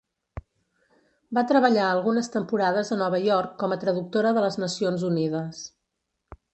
Va treballar algunes temporades a Nova York com a traductora de les Nacions Unides.